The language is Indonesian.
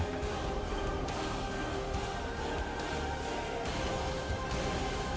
di jalan administrasi tanah abang jakarta